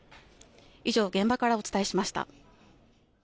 以上、現場からお伝えしました。